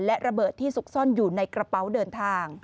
และระเบิดที่ซุกซ่อนอยู่ในกระเป๋าเดินทาง